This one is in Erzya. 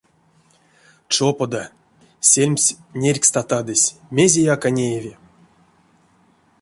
Чопода, сельмс нерькстатадызь, мезеяк а неяви.